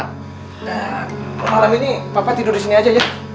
malam ini papa tidur di sini aja ya